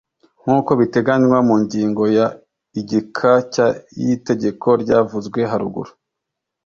Nk uko biteganywa mu ngingo ya igika cya y itegeko ryavuzwe haruguru